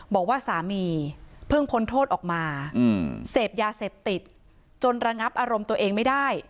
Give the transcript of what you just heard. บอกว่าสามีเพิ่งพ้นโทษออกมาเสพยาเสพติดจนระงับอารมณ์ตัวเองไม่ได้